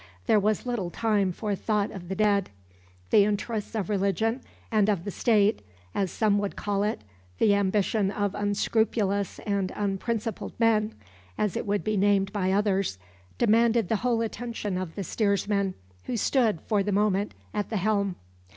There was little time for thought of the dead. The interests of religion and of the State, as some would call it, the ambition of unscrupulous and unprincipled men, as it would be named by others, demanded the whole attention of the steersmen who stood, for the moment, at the helm.